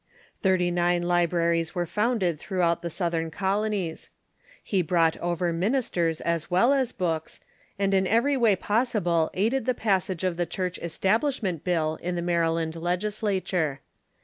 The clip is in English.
* Thirty nine libraries were founded throughout the South ern Colonies. He brought over ministers as well as books, and in every way possible aided the passage of the Church Establishment bill in the Maryland legislature.